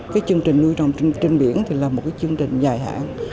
cái chương trình nuôi trồng trên biển thì là một cái chương trình dài hạn